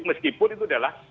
meskipun itu adalah